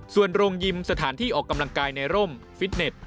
ส่วนโรงยิมสถานที่ออกกำลังกายในร่มฟิตเน็ต